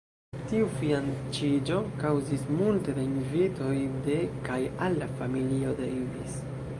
Tiu fianĉiĝo kaŭzis multe da invitoj de kaj al la familio Davis.